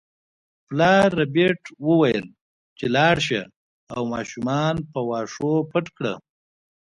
پلار ربیټ وویل چې لاړه شه او ماشومان په واښو پټ کړه